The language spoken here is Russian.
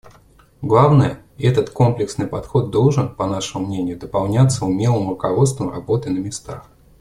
Главное, этот комплексный подход должен, по нашему мнению, дополняться умелым руководством работой на местах.